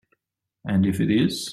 And if it is?